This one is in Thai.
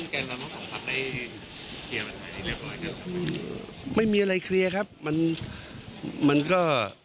ก็ไม่มีอะไรครับมันมันก็